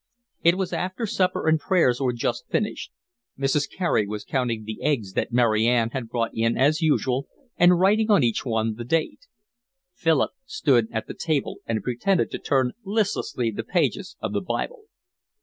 It was after supper and prayers were just finished. Mrs. Carey was counting the eggs that Mary Ann had brought in as usual and writing on each one the date. Philip stood at the table and pretended to turn listlessly the pages of the Bible.